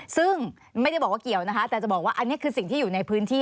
ซึ่งไม่ได้บอกว่าเกี่ยวนะคะแต่จะบอกว่าอันนี้คือสิ่งที่อยู่ในพื้นที่